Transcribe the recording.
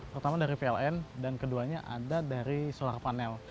pertama dari pln dan keduanya ada dari solar panel